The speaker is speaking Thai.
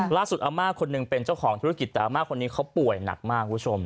ล่าสุดอาม่าคนหนึ่งเป็นเจ้าของธุรกิจแต่อาม่าคนนี้เขาป่วยหนักมากคุณผู้ชม